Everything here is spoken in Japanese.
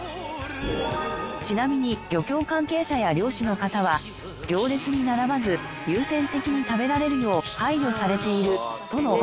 ちなみに漁協関係者や漁師の方は行列に並ばず優先的に食べられるよう配慮されているとの事。